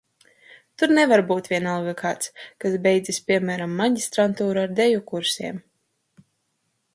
Tur nevar būt vienalga kāds, kas beidzis, piemēram, maģistrantūru ar deju kursiem.